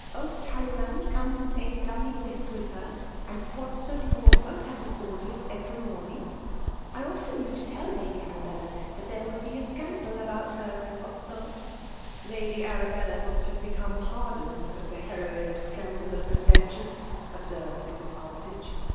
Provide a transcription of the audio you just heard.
Old Talleyrand comes and plays dummy whist with her; and Pozzo d& Borgo has an audienee FKMALK DOUIKATIOK. 235 every momiDg. I often osed to tell Lady Arabella there would be scandal about her and Pozzo." I^ady Arabella must have become har* dened, as the herohie of scandalous adven tures/' observed Mrs Armytage.